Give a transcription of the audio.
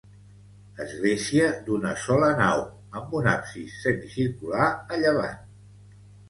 Església d'una sola nau, amb un absis semicircular a llevant.